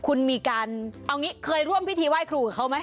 คุณมีการเอาอย่างนี้เคยร่วมพิธีไหว้ครูแล้วไหม